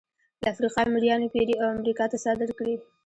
له افریقا مریان وپېري او امریکا ته صادر کړي.